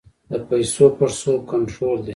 د پیسو پړسوب کنټرول دی؟